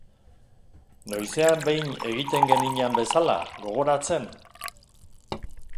Noizean behin egiten geninan bezala, gogoratzen?.